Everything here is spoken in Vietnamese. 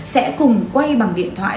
sẽ cùng quay bằng điện thoại